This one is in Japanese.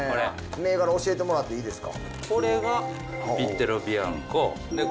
銘柄教えてもらっていいですか？